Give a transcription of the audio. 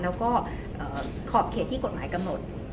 แล้วก็ขอบเขตที่กฎหมายกำหนด